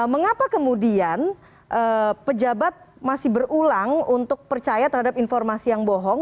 mengapa kemudian pejabat masih berulang untuk percaya terhadap informasi yang bohong